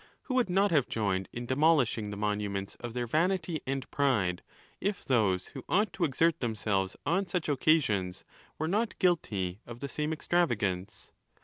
Who would not have joined i in demo lishing the monuments of their vanity and pride, if those who ought to exert themselves on such occasions were not guilty of the same extravagance 4 XIV.